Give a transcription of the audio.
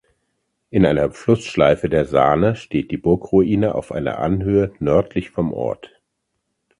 In einer Flussschleife der Saane steht die Burgruine auf einer Anhöhe nördlich vom Ort.